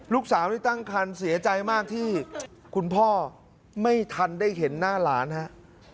ลูกสาวนี่ตั้งคันเสียใจมากที่คุณพ่อไม่ทันได้เห็นหน้าหลานครับ